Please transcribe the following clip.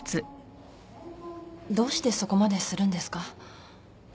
どうしてそこまでするんですか？